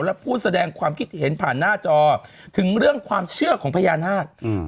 และผู้แสดงความคิดเห็นผ่านหน้าจอถึงเรื่องความเชื่อของพญานาค